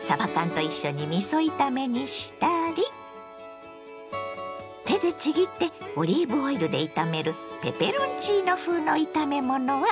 さば缶と一緒にみそ炒めにしたり手でちぎってオリーブオイルで炒めるペペロンチーノ風の炒め物はいかが？